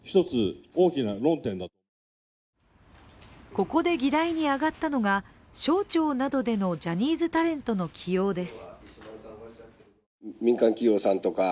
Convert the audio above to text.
ここで議題に上がったのが、省庁などでのジャニーズタレントの起用です。